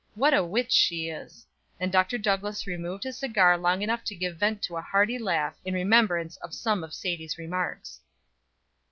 What a witch she is!" And Dr. Douglass removed his cigar long enough to give vent to a hearty laugh in remembrance of some of Sadie's remarks.